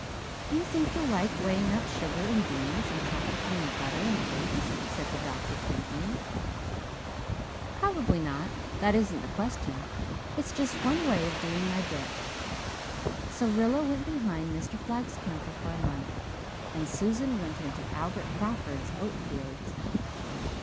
"Do you think you'll like weighing out sugar and beans, and trafficking in butter and eggs?" said the doctor, twinkling. "Probably not. That isn't the question. It's just one way of doing my bit." So Rilla went behind Mr. Flagg's counter for a month; and Susan went into Albert Crawford's oat fields.